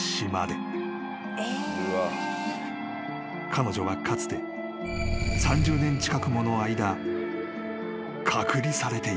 ［彼女はかつて３０年近くもの間隔離されていた］